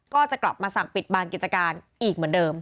ก็จะกลับมาสั่งปิดบางกิจการอีกเหมือนเดิม